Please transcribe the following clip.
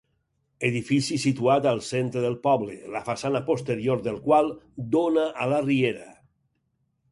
Edifici situat al centre del poble, la façana posterior del qual dóna a la riera.